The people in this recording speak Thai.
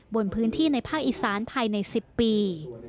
บนพื้นที่ในภาคอีสานภายใน๑๐ปี